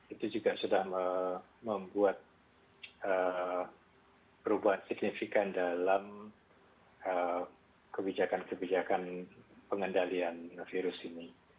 itu juga sudah membuat perubahan signifikan dalam kebijakan kebijakan pengendalian virus ini